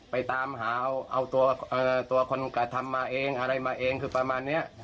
ไปตามหาเอาตัวคนกระทำมาเองอะไรมาเองคือประมาณนี้